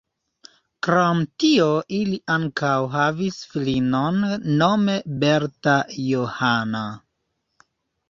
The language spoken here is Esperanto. Krom tio ili ankaŭ havis filinon nome Berta Johanna.